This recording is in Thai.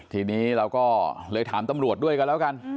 ทีนี้เราก็เลยถามตำรวจด้วยกันแล้วกัน